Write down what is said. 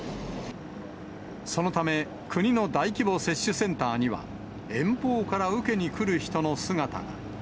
そのため、国の大規模接種センターには、遠方から受けに来る人の姿が。